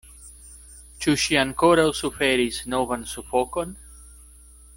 Ĉu ŝi ankoraŭ suferis novan sufokon?